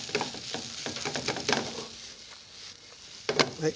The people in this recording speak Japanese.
はい。